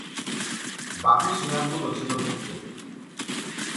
বাকি শেয়ারগুলো ছিল মুক্ত।